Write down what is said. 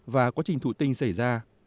và quá trình thủ tinh xảy ra